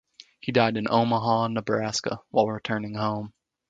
He died in Omaha, Nebraska while returning home.